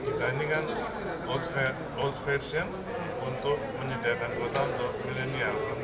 kita ini kan out version untuk menyediakan kuota untuk milenial